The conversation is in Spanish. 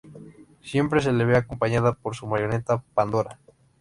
Siempre se le ve acompañada por su marioneta Pandora.